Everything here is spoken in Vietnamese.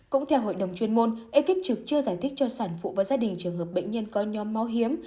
cũng theo hội đồng chuyên môn ekip trực chưa giải thích cho sản phụ và gia đình trường hợp bệnh nhân có nhóm máu hiếm